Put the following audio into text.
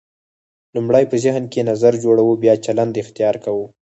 لومړی په ذهن کې نظر جوړوو بیا چلند اختیار کوو.